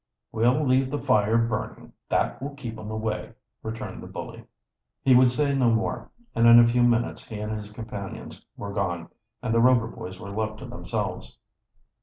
"We'll leave the fire burning that will keep 'em away," returned the bully. He would say no more, and in a few minutes he and his companions were gone and the Rover boys were left to themselves.